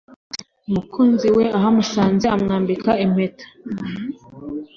u mukunzi we ahamusanze amwambika impeta